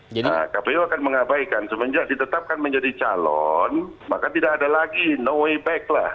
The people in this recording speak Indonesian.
nah kpu akan mengabaikan semenjak ditetapkan menjadi calon maka tidak ada lagi no way back lah